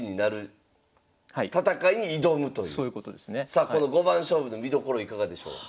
さあこの五番勝負の見どころいかがでしょう？